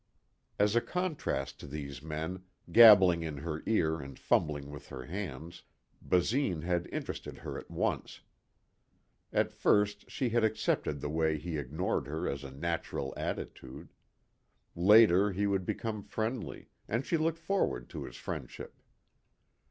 As a contrast to these men, gabbling in her ear and fumbling with her hands, Basine had interested her at once. At first she had accepted the way he ignored her as a natural attitude. Later, he would become friendly and she looked forward to his friendship.